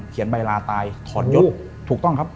เขียนใบลาตายถอดยศถูกต้อนครับ